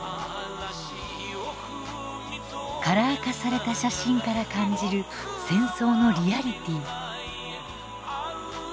カラー化された写真から感じる戦争のリアリティー。